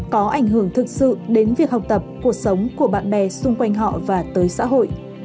có ảnh hưởng thực sự đến việc học tập cuộc sống của bạn bè xung quanh họ và tới xã hội